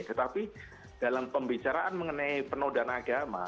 tetapi dalam pembicaraan mengenai penodaan agama